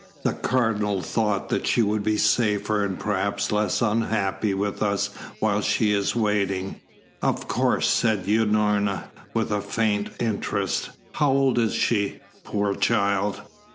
The Cardinal thought she would be safer and perhaps less unhappy with us while she is waiting." "Of course," said Unorna, with a faint interest. "How old is she, poor child?"